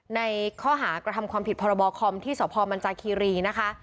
ในข้อหากระทำความผิดพรบคอมที่สพมันจาคีรีนะคะ